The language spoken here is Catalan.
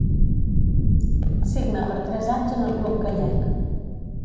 Signa per tres anys en el club gallec.